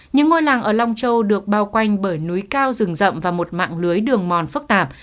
những ngôi làng ở long châu được bao quanh bởi núi cao rừng rậm và một mạng lưới đường mòn phức tạp